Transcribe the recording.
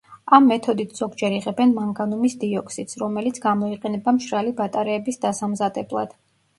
ამ მეთოდით ზოგჯერ იღებენ მანგანუმის დიოქსიდს, რომელიც გამოიყენება მშრალი ბატარეების დასამზადებლად.